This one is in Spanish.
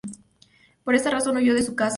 Por esta razón, huyó de su casa.